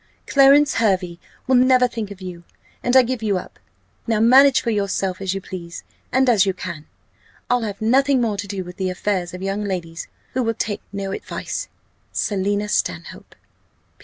Clarence Hervey will never think of you, and I give you up! Now manage for yourself as you please, and as you can! I'll have nothing more to do with the affairs of young ladies who will take no advice. "SELINA STANHOPE.